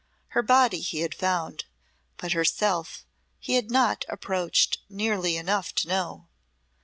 Her body he had found, but herself he had not approached nearly enough to know.